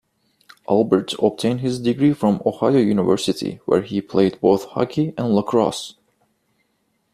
Albert obtained his degree from Ohio University where he played both hockey and lacrosse.